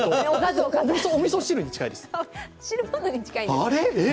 おみそ汁に近いです。